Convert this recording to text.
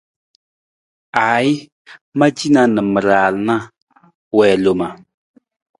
Aaji, ma cina na ma raala wi loma.